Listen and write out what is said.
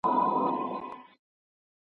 ما یې هم پخوا لیدلي دي خوبونه .